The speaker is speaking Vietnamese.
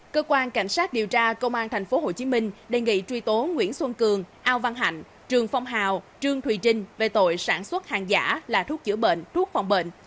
cơ quan cảnh sát điều tra công an thành phố hồ chí minh đề nghị truy tố nguyễn xuân cường ao văn hạnh trường phong hào trương thùy trinh về tội sản xuất hàng giả là thuốc chữa bệnh thuốc phòng bệnh